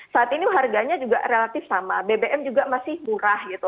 saat ini harganya juga relatif sama bbm juga masih murah gitu